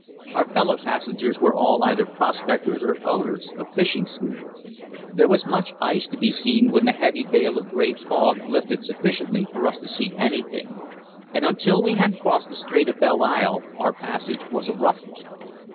Our fellow passengers were all either prospectors or owners of fishing schooners. There was much ice to be seen when the heavy veil of grey fog lifted sufficiently for us to see anything, and until we had crossed the Strait of Belle Isle our passage was a rough one.